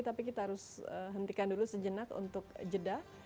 tapi kita harus hentikan dulu sejenak untuk jeda